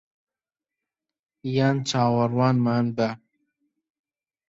یان چاوەڕوانمان بە